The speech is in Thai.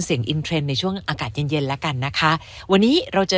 เสียงในช่วงอากาศเย็นแล้วกันนะคะวันนี้เราเจอ